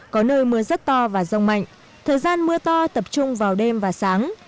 có nơi mưa rất to và rông mạnh thời gian mưa to tập trung vào đêm và sáng